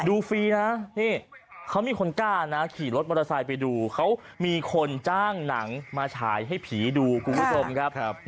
ฟรีนะนี่เขามีคนกล้านะขี่รถมอเตอร์ไซค์ไปดูเขามีคนจ้างหนังมาฉายให้ผีดูคุณผู้ชมครับ